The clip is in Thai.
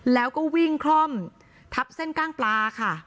แล้วก็วิ่งคล่อมทับเส้นกล้างปลาค่ะ